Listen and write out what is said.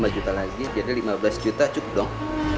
lima juta lagi jadi lima belas juta cukup dong